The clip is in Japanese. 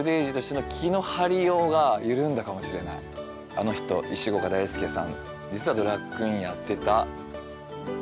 「あの人石郷岡大助さん」